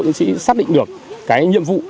chính sĩ xác định được cái nhiệm vụ